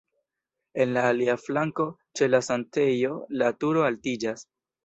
En la alia flanko ĉe la sanktejo la turo altiĝas.